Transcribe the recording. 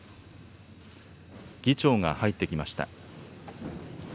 議長が入ってきました。